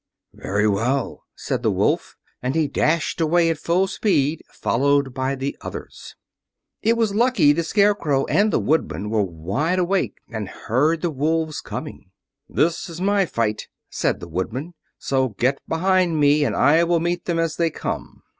"Very well," said the wolf, and he dashed away at full speed, followed by the others. It was lucky the Scarecrow and the Woodman were wide awake and heard the wolves coming. "This is my fight," said the Woodman, "so get behind me and I will meet them as they come."